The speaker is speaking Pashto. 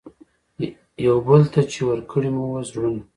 یوه بل ته چي ورکړي مو وه زړونه